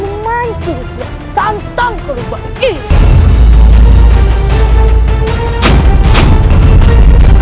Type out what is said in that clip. memanjirkan santan kerubuk ini